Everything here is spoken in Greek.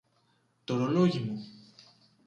Τ' ωρολόγι μου!